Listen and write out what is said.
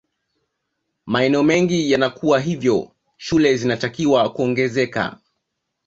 maeneo mengi yanakuwa hivyo shule zinatakiwa kuongezeka